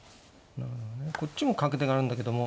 こっちも角出があるんだけども。